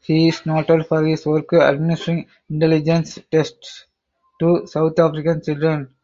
He is noted for his work administering intelligence tests to South African children.